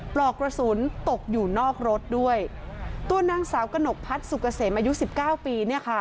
ปลอกกระสุนตกอยู่นอกรถด้วยตัวนางสาวกนกพัดสุกเกษมอายุ๑๙ปี